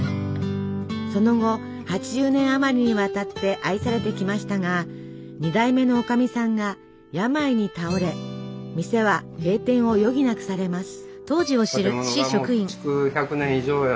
その後８０年あまりにわたって愛されてきましたが２代目のおかみさんが病に倒れ店は閉店を余儀なくされます。